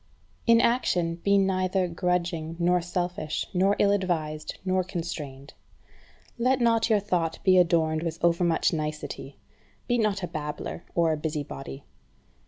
5. In action be neither grudging, nor selfish, nor ill advised, nor constrained. Let not your thought be adorned with overmuch nicety. Be not a babbler or a busybody.